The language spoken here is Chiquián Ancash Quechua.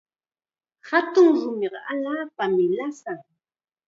Hatun rumiqa allaapam lasan.